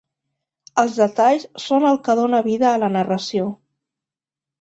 Els detalls són el que dona vida a la narració.